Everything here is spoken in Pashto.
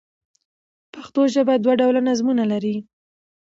پښتو ژبه دوه ډوله نظمونه لري.